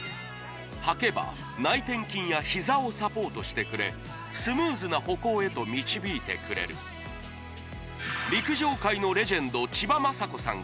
はけば内転筋やひざをサポートしてくれスムーズな歩行へと導いてくれる陸上界のレジェンド千葉真子さん